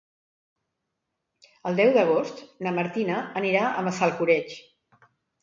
El deu d'agost na Martina anirà a Massalcoreig.